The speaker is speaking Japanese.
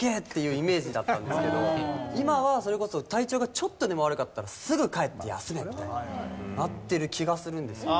今はそれこそ体調がちょっとでも悪かったら「すぐ帰って休め！」ってなってる気がするんですよね。